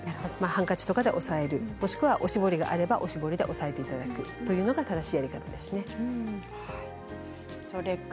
ハンカチで押さえるおしぼりがあれば、おしぼりで押さえるというのが正しいやり方です。